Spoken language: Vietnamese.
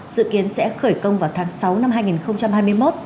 dự kiến sẽ khởi công vào tháng sáu năm hai nghìn hai mươi một